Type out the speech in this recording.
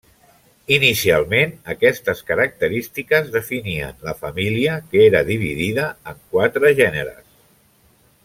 Inicialment, aquestes característiques definien la família, que era dividida en quatre gèneres.